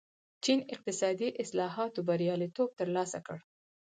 چین اقتصادي اصلاحاتو بریالیتوب ترلاسه کړ.